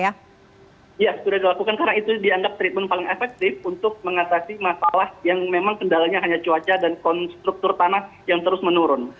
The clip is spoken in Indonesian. ya sudah dilakukan karena itu dianggap treatment paling efektif untuk mengatasi masalah yang memang kendalanya hanya cuaca dan konstruktur tanah yang terus menurun